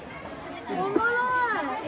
おもろい！